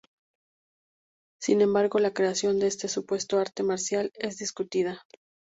Sin embargo la creación de este supuesto arte marcial es discutida.